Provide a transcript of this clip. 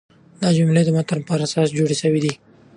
دا جملې د متن پر اساس جوړي سوي دي.